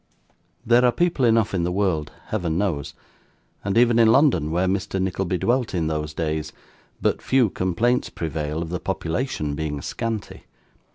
There are people enough in the world, Heaven knows! and even in London (where Mr. Nickleby dwelt in those days) but few complaints prevail, of the population being scanty.